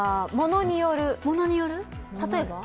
例えば？